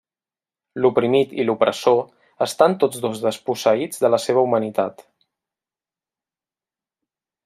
L'oprimit i l'opressor estan tots dos desposseïts de la seva humanitat.